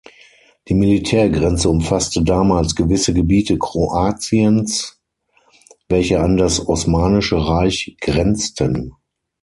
Die Militärgrenze umfasste damals gewisse Gebiete Kroatiens, welche an das osmanische Reich grenzten.